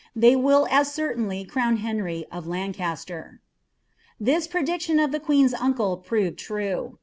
Tliey will as certainly crown Henry of I^ncaster." This prediction of the queen's uncle proved true.